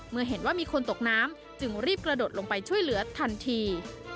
เมื่อเห็นว่ามีคนตกน้ำจึงรีบกระโดดลงไปช่วยเหลือทันที